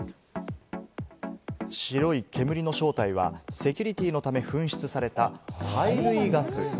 白い煙の正体は、セキュリティーのため噴出された催涙ガス。